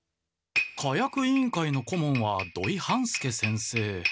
火薬委員会の顧問は土井半助先生。